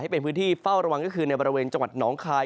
เป็นพื้นที่เฝ้าระวังก็คือในบริเวณจังหวัดหนองคาย